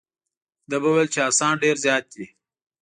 ده به ویل چې اسان ډېر زیات دي.